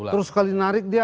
terus sekali narik dia